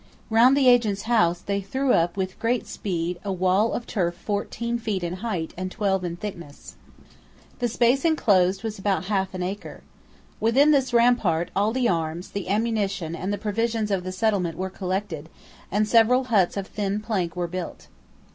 Round the agent's house they threw up with great speed a wall of turf fourteen feet in height and twelve in thickness. The space enclosed was about half an acre. Within this rampart all the arms, the ammunition and the provisions of the settlement were collected, and several huts of thin plank were built.